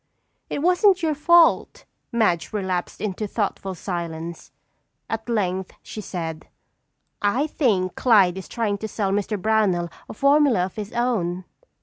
"It wasn't your fault." Madge relapsed into thoughtful silence. At length she said: "I think Clyde is trying to sell Mr. Brownell a formula of his own."